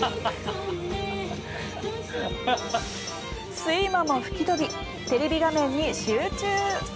睡魔も吹き飛びテレビ画面に集中。